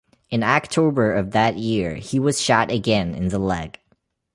In October of that year, he was shot again in the leg.